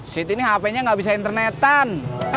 siti ini hpnya enggak bisa internetan